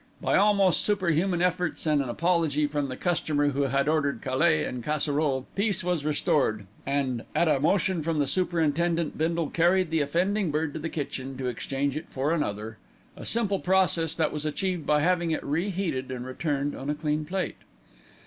By almost superhuman efforts and an apology from the customer who had ordered "caille en casserole," peace was restored and, at a motion from the superintendent, Bindle carried the offending bird to the kitchen to exchange it for another, a simple process that was achieved by having it re heated and returned on a clean plate.